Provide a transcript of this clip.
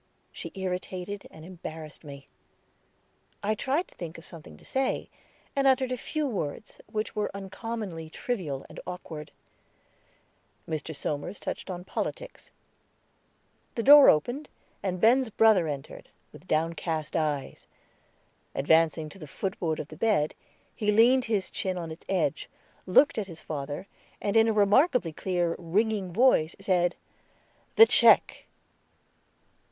She irritated and embarrassed me. I tried to think of something to say, and uttered a few words, which were uncommonly trivial and awkward. Mr. Somers touched on politics. The door opened, and Ben's brother entered, with downcast eyes. Advancing to the footboard of the bed, he leaned his chin on its edge, looked at his father, and in a remarkably clear, ringing voice, said: "The check."